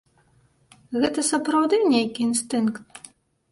Гэта сапраўды нейкі інстынкт.